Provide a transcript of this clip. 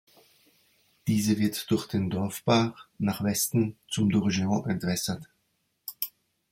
Diese wird durch den Dorfbach nach Westen zum Durgeon entwässert.